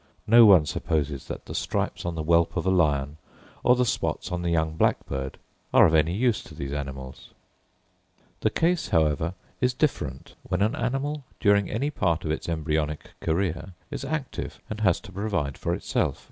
No one supposes that the stripes on the whelp of a lion, or the spots on the young blackbird, are of any use to these animals. The case, however, is different when an animal, during any part of its embryonic career, is active, and has to provide for itself.